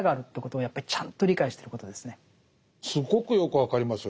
すごくよく分かりますよ。